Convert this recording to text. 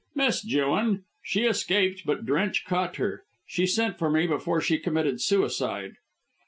"Miss Jewin. She escaped, but Drench caught her. She sent for me before she committed suicide."